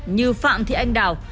như phạm thị anh đào